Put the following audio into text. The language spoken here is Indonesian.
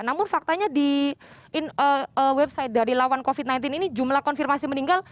namun faktanya di website dari lawan covid sembilan belas ini jumlah konfirmasi meninggal